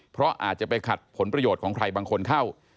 เพราะอาจจะไปขัดผลประโยชน์ของใครบางคนเข้า